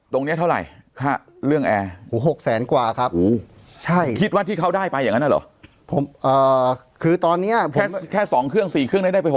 ตรงนี้เท่าไรค่าเรื่องแอร์